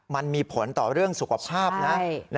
มันมีผลต่อเรื่องสุขภาพนะ